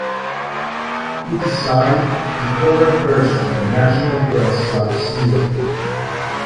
He designed the current version of the National Press Club seal.